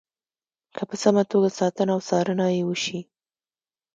که په سمه توګه ساتنه او څارنه یې وشي.